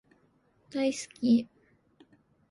大好き